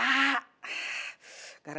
aku pengen ke rumah